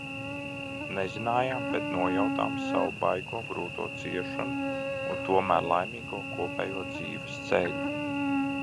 Nezinājām, bet nojautām savu baigo, grūto ciešanu un tomēr laimīgo, kopējo dzīves ceļu.